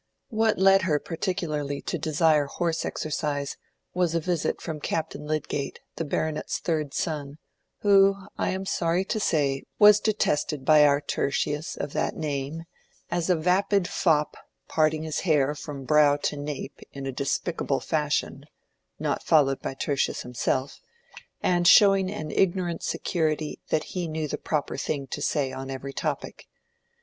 What led her particularly to desire horse exercise was a visit from Captain Lydgate, the baronet's third son, who, I am sorry to say, was detested by our Tertius of that name as a vapid fop "parting his hair from brow to nape in a despicable fashion" (not followed by Tertius himself), and showing an ignorant security that he knew the proper thing to say on every topic.